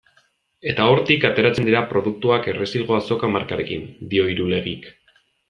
Eta hortik ateratzen dira produktuak Errezilgo Azoka markarekin, dio Irulegik.